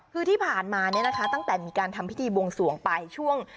คือที่ผ่านมาเนี่ยนะคะตั้งแต่มีการทำพิธีบวงสวงไปช่วง